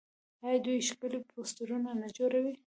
آیا دوی ښکلي پوسټرونه نه جوړوي؟